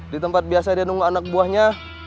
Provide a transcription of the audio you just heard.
di tempat biasa dia nunggu anak buahnya